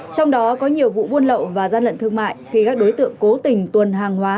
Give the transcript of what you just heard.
trong đó có nhiều vụ buôn lậu và gian lận thương mại khi các đối tượng cố tình tuần hàng hóa